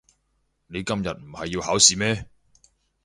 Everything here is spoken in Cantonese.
你今日唔係要考試咩？